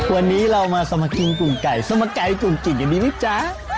วันนี้เรามาสมกินกุ่งไก่สมกัยกุ่งจิ่งอย่างนี้นิดจ๊ะ